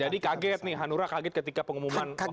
jadi kaget nih hanura kaget ketika pengumuman wakil menteri itu